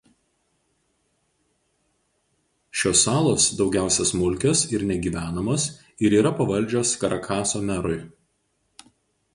Šios salos daugiausia smulkios ir negyvenamos ir yra pavaldžios Karakaso merui.